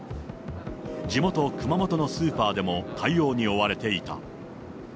地元、熊本のスーパーでも対応に追われていた。